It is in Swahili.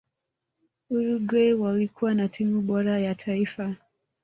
uruguay walikuwa na timu bora ya taifa